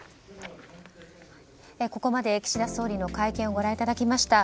ここまで岸田総理の会見をご覧いただきました。